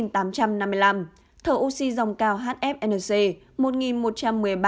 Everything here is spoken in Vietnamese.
thở oxy dòng cao hfnc một nghìn một trăm một mươi ba